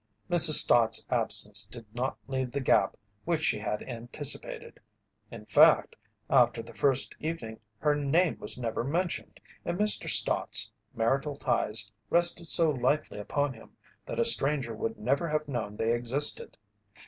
Mrs. Stott's absence did not leave the gap which she had anticipated. In fact, after the first evening her name was never mentioned, and Mr. Stott's marital ties rested so lightly upon him that a stranger would never have known they existed.